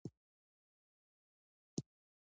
تا امر پر ځای کړ،